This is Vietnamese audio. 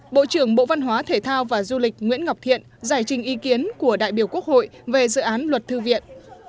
bộ trưởng bộ văn hóa thể thao và du lịch nguyễn ngọc thiện giải trình ý kiến của đại biểu quốc hội về dự án luật thư viện